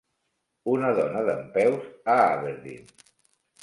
Una dona dempeus a Aberdeen.